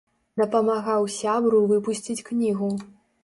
Дапамагаў сябру выпусціць кнігу.